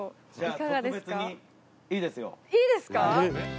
いいですか？